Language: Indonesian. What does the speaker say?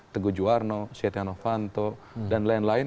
teguh juwarno sietiano fanto dan lain lain